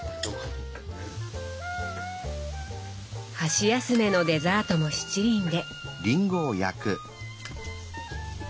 箸休めのデザートも七輪で。